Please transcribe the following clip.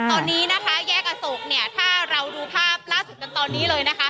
ตอนนี้นะคะแยกอโศกเนี่ยถ้าเราดูภาพล่าสุดกันตอนนี้เลยนะคะ